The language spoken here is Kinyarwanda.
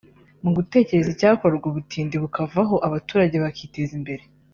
Mu gutekereza icyakorwa ubutindi bukavaho abaturage bakiteza imbere